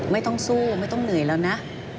ไม่ต้องสู้ไม่ต้องเหนื่อยแล้วนะ